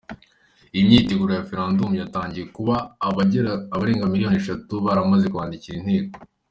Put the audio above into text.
Imyiteguro ya referendum yatangiye kuba abagerenga miliyoni eshatu baramaze kwandikira inteko.